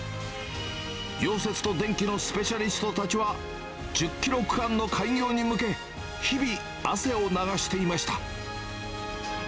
溶接と電気のスペシャリストたちは、１０キロ区間の開業に向け、日々、汗を流していました。